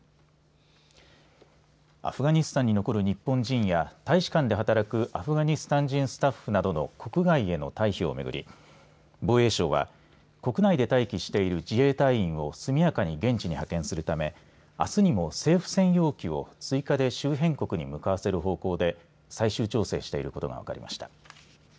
アフガニスタンに残る日本人や大使館で働くアフガニスタン人スタッフなどの国外への退避をめぐり防衛省は国内で待機している自衛隊員を速やかに現地に派遣するためあすにも政府専用機を追加で周辺国に向かわせる方向で最終調整していることが分かりました。